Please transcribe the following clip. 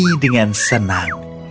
nyanyi dengan senang